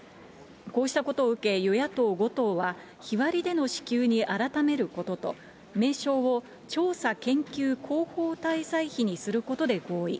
こうしたことを受け、与野党５党は日割りでの支給に改めることと、名称を調査研究広報滞在費にすることで合意。